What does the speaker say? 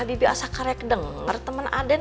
bibi asal kerek denger temen aden